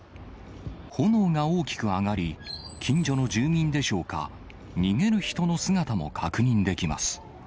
炎が大きく上がり、近所の住民でしょうか、逃げる人の姿も確認できます。